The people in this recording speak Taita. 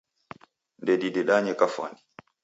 Ndedidedanye kafwani.